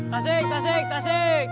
tasik tasik tasik